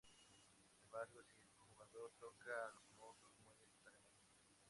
Sin embargo si el jugador toca a los monstruos muere instantáneamente.